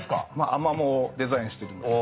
アマモをデザインしてるんです。